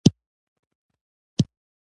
استر له اصلي رنګ څخه مخکې په ساحه کې جوړیږي.